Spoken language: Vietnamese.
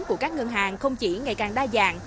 của các ngân hàng không chỉ ngày càng đa dạng